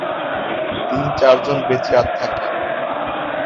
তিন-চারজন বেঁচে থাকে।